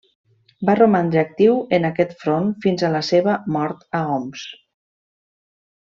Va romandre actiu en aquest front fins a la seva mort a Homs.